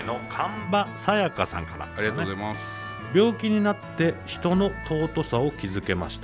「病気になって人の尊さを気付けました。